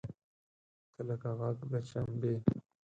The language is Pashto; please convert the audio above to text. تۀ لکه غږ د چمبې !